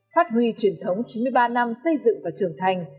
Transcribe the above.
phát huy truyền thống chín mươi ba năm xây dựng và trưởng thành